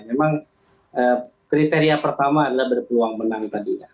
memang kriteria pertama adalah berpeluang menang tadinya